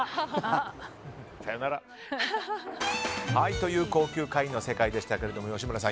という高級会員の世界でしたが吉村さん